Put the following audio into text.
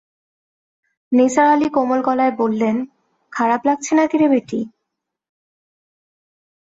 নিসার আলি কোমল গলায় বললেন, খারাপ লাগছে নাকি রে বেটি?